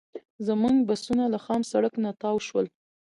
زموږ بسونه له خام سړک نه تاو شول.